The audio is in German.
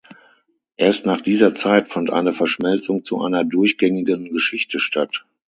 Erst nach dieser Zeit fand eine Verschmelzung zu einer durchgängigen Geschichte statt.